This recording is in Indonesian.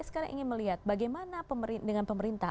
sekarang ingin melihat bagaimana dengan pemerintah